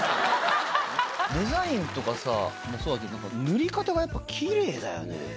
デザインとかもそうだけど塗り方がやっぱきれいだよね。